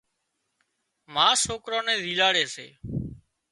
ما سوڪران نين زيلاڙي سي